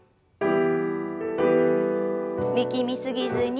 力み過ぎずに。